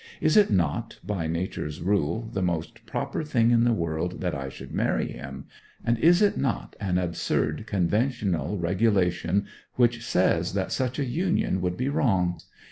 Is it not, by nature's rule, the most proper thing in the world that I should marry him, and is it not an absurd conventional regulation which says that such a union would be wrong?'